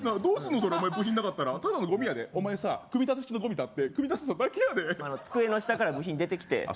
それ部品なかったらただのゴミやでお前さ組み立て式のゴミ買って組み立てただけやで机の下から部品出てきてあっ